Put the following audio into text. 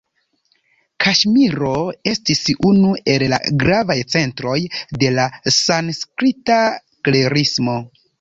Kaŝmiro estis unu el la gravaj centroj de la sanskrita klerismo.